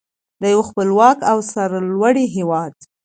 د یو خپلواک او سرلوړي هیواد.